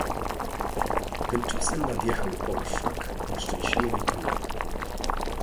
"Tymczasem nadjechał orszak nieszczęśliwej królewny."